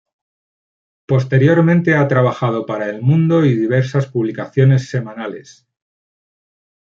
Posteriormente ha trabajado para "El Mundo" y diversas publicaciones semanales.